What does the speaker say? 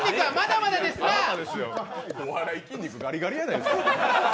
あなたですよ、お笑い筋肉ガリガリやないですか。